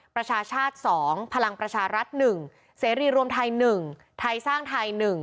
ประชาชาติ๒พลังประชารัฐ๑เสรีรวมไทย๑ไทยสร้างไทย๑